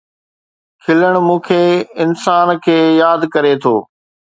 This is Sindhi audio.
کلڻ مون کي انسان کي ياد ڪري ٿو